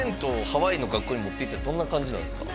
ハワイの学校に持っていったらどんな感じなんですか？